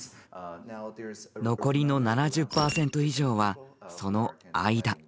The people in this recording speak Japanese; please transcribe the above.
残りの７０％以上はその「間」。